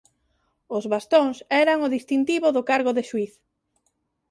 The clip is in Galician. Os bastóns eran o distintivo do cargo de xuíz.